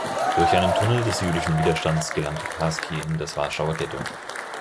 Durch einen Tunnel des jüdischen Widerstands gelangte Karski in das Warschauer Ghetto.